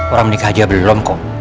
orang menikah aja belum kok